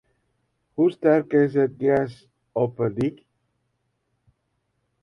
Hoe sterk is it gjers op de dyk?